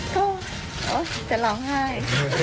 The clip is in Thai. ก็โอ๊ยจะร้องไห้